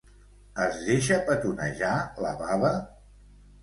Es deixa petonejar la Baba?